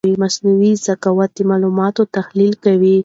مصنوعي ذکاوت د معلوماتو تحلیل کوي.